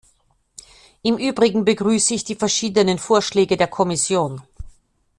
Im Übrigen begrüße ich die verschiedenen Vorschläge der Kommission.